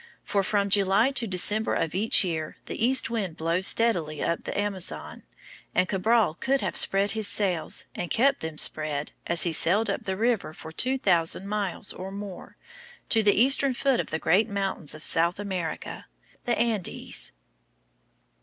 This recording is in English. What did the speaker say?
For from July to December of each year the east wind blows steadily up the Amazon, and Cabral could have spread his sails and kept them spread as he sailed up the river for two thousand miles or more to the eastern foot of the great mountains of South America, the Andes.